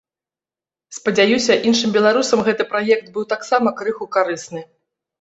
Спадзяюся, іншым беларусам гэты праект быў таксама крыху карысны.